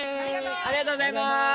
ありがとうございます。